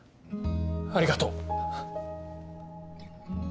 ありがとう。